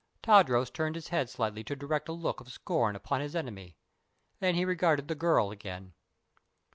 Tadros turned his head slightly to direct a look of scorn upon his enemy. Then he regarded the girl again.